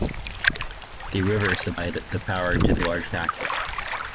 The river supplied the power to this large factory.